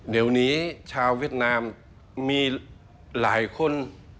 เดี๋ยวนี้ชาวเวียดนามมีหลายคน